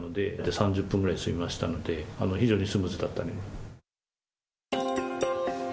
３０分ぐらいで済みましたので、非常にスムーズだったのかな。